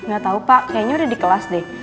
gak tahu pak kayaknya udah di kelas deh